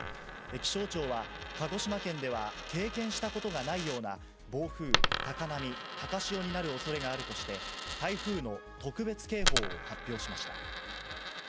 気象庁は、鹿児島県では経験したことがないような暴風、高波、高潮になるおそれがあるとして、台風の特別警報を発表しました。